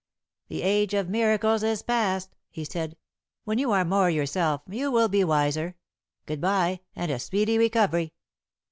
"The age of miracles is past," he said. "When you are more yourself, you will be wiser. Good bye, and a speedy recovery."